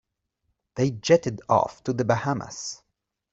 They jetted off to the Bahamas.